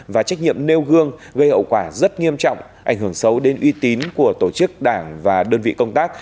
và trách nhiệm nêu gương gây hậu quả rất nghiêm trọng ảnh hưởng xấu đến uy tín của tổ chức đảng và đơn vị công tác